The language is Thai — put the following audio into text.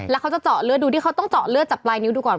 แล้วเขาจะเจาะเลือดดูที่เขาต้องเจาะเลือดจับปลายนิ้วดูก่อน